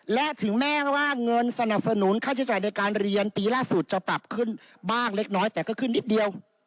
และถึงแม้ว่าเงินสนับสนุนค่าใช้จ่ายในการเรียนปีล่าสุดจะปรับขึ้นบ้างเล็กน้อยแต่ก็ขึ้นนิดเดียว